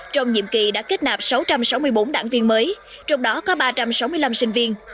trong nhiệm kỳ đã kết nạp sáu trăm sáu mươi bốn đảng viên mới trong đó có ba trăm sáu mươi năm sinh viên